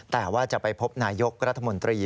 แต่ว่าจะไปพบนายกรัฐมนตรี